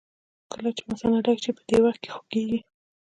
کله چې مثانه ډکه شي په دې وخت کې خوږېږي.